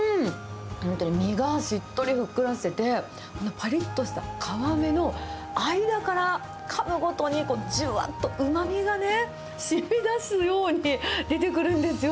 本当に身がしっとり、ふっくらしてて、このぱりっとした皮目の間からかむごとに、じゅわーっとうまみがね、しみだすように出てくるんですよ。